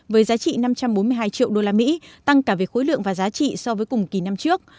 với giá trị năm trăm bốn mươi hai triệu usd tăng cả về khối lượng và giá trị so với cùng kỳ năm trước